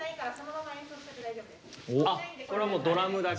あっこれはもうドラムだけ。